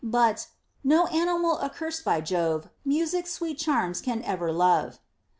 But No animal accurst hy Jove Music's sweet charms can ever love.